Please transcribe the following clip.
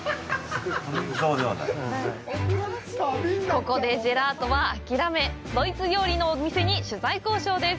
ここでジェラートは諦めドイツ料理のお店に取材交渉です。